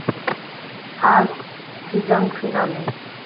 আজ season finale.